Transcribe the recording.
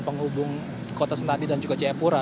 penghubung kota senadi dan juga jayapura